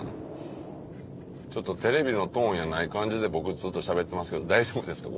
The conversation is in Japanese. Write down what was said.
ちょっとテレビのトーンやない感じで僕ずっとしゃべってますけど大丈夫ですか？